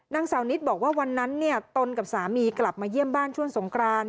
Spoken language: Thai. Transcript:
นางสาวนิดบอกว่าวันนั้นตนกับสามีกลับมาเยี่ยมบ้านช่วงสงคราน